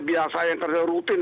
biasa yang kerja rutin